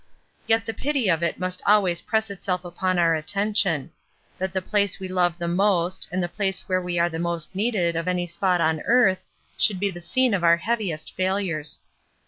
Yet the pity of it must always press itself upon our attention: that the place we love the most and the place where we are the most needed of any spot on earth should be 22 ESTER RIED^S NAMESAKE the scene of our heaviest failures.